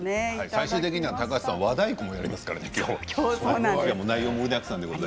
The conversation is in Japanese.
最終的にはきょう和太鼓をやりますからね。